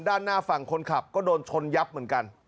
ด้านหน้าฝั่งคนขับก็โดนชนยับเหมือนกัน